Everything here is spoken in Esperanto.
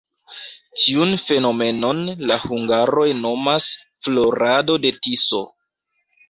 Tiun fenomenon la hungaroj nomas "florado de Tiso".